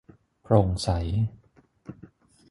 โปร่งใส